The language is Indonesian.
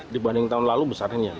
dibanding tahun lalu besar ini ya